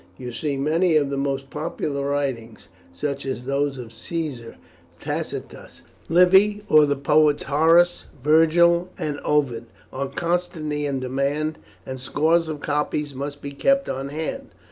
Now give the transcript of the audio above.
You see many of the most popular writings, such as those of Caesar, Tacitus, Livy, or the poets Horace, Virgil, and Ovid, are constantly in demand, and scores of copies must be kept on hand.